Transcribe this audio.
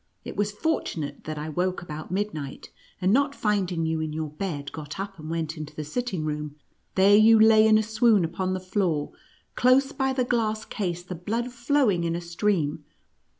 It was fortunate that I woke about midnight, and not finding you in your bed, got up and went into the sitting room. There you lay in a swoon upon the floor, close hy the glass case, the blood flowing in a stream.